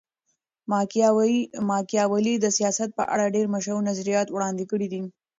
ماکیاولي د سیاست په اړه ډېر مشهور نظریات وړاندي کړي دي.